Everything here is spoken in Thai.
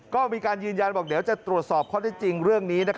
ก็มีการยืนยันบอกเดี๋ยวจะตรวจสอบข้อได้จริงเรื่องนี้